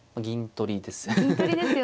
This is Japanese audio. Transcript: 銀取りですよね。